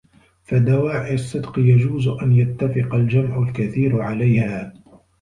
فَدَوَاعِي الصِّدْقِ يَجُوزُ أَنْ يَتَّفِقَ الْجَمْعُ الْكَثِيرُ عَلَيْهَا